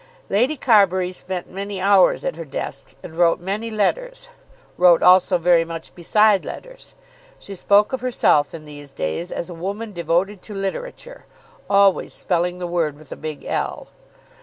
Lady Carbury spent many hours at her desk, and wrote many letters, wrote also very much beside letters. She spoke of herself in these days as a woman devoted to Literature, always spelling the word with a big L.